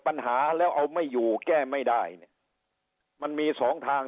ปัญหาแล้วเอาไม่อยู่แก้ไม่ได้เนี่ยมันมีสองทาง